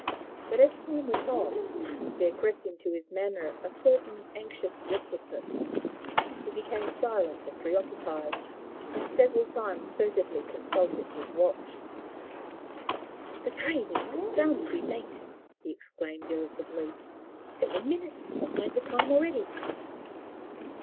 But, as time went on, there crept into his manner a certain anxious restlessness. He became silent and preoccupied, and several times furtively consulted his watch. "The train is confoundedly late!" he exclaimed irritably. "Seven minutes behind time already!"